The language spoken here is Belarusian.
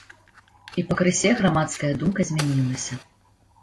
І пакрысе грамадская думка змянілася.